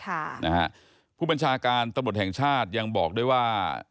ค่ะนะฮะผู้บัญชาการตำรวจแห่งชาติยังบอกด้วยว่า